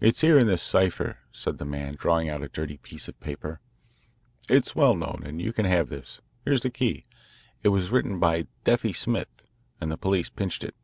"It's here in this cipher," said the man, drawing out a dirty piece of paper. "It's well known, and you can have this. Here's the key. It was written by 'Deafy' Smith, and the police pinched it."